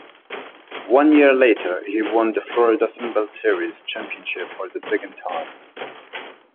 One year later, he won the Florida Sunbelt Series championship for the second time.